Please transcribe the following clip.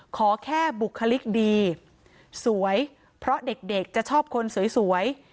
ขอแค่บุคลิกดีสวยเพราะเด็กจะชอบคนสวย